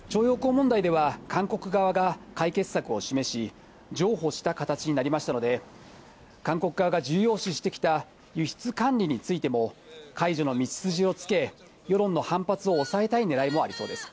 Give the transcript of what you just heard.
問題では韓国側が解決策を示し、譲歩した形になりましたので、韓国側が重要視してきた輸出管理についても、解除の道筋をつけ、世論の反発を抑えたいねらいもありそうです。